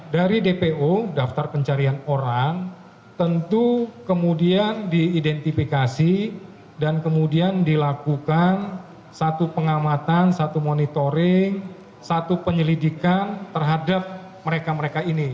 dari dpo daftar pencarian orang tentu kemudian diidentifikasi dan kemudian dilakukan satu pengamatan satu monitoring satu penyelidikan terhadap mereka mereka ini